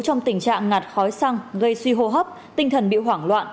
trong tình trạng ngạt khói xăng gây suy hô hấp tinh thần bị hoảng loạn